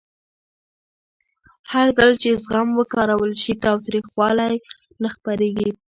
هرځل چې زغم وکارول شي، تاوتریخوالی نه خپرېږي.